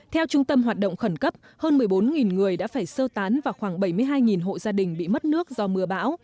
theo trung tâm hoạt động khẩn cấp hơn một mươi bốn người đã phải sơ tán và khoảng bảy mươi hai hộ gia đình bị mất nước do mưa bão